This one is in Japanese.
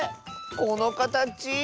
このかたち。